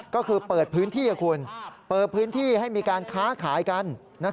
ก็คือเปิดพื้นที่ให้มีการค้าขายกัน